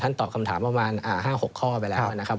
ตอบคำถามประมาณ๕๖ข้อไปแล้วนะครับ